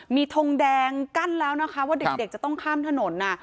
มีทงแดงกั้นแล้วนะคะว่าเด็กจะต้องข้ามถนน